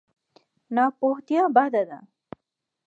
ناپوهتیا بده ده.